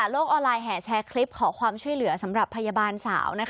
ออนไลน์แห่แชร์คลิปขอความช่วยเหลือสำหรับพยาบาลสาว